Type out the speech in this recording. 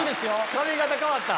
髪形変わった。